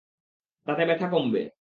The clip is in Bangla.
তাতে ব্যথা কমবে।